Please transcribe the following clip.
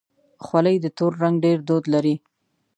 خولۍ د تور رنګ ډېر دود لري.